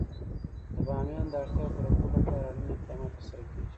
د بامیان د اړتیاوو پوره کولو لپاره اړین اقدامات ترسره کېږي.